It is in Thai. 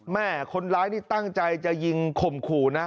แม่คนร้ายนี่ตั้งใจจะยิงข่มขู่นะ